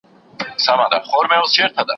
زه به اوږده موده د درسونو يادونه کړې وم،